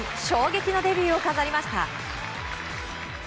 衝撃のデビューを飾りました。